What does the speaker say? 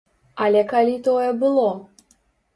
Але калі тое было?